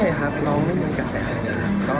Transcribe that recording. ไม่ครับเราไม่มีการแสง